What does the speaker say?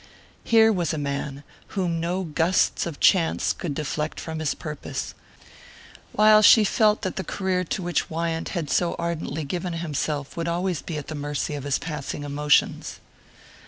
Here was a man whom no gusts of chance could deflect from his purpose; while she felt that the career to which Wyant had so ardently given himself would always be at the mercy of his passing emotions.